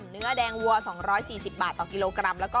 เนื้อแดงวัว๒๔๐บาทต่อกก